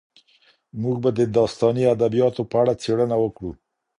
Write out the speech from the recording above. موږ به د داستاني ادبیاتو په اړه څېړنه وکړو.